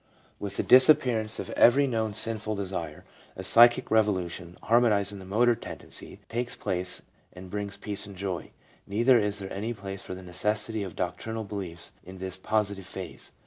With the disappearance of every known sinful desire, a psychic revolution, harmonizing the motor tendencies, takes place and brings peace and joy. Neither is there any place for the necessity of doctrinal beliefs in this "positive phase."